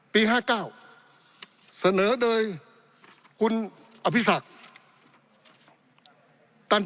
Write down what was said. ปี๑เกณฑ์ทหารแสน๒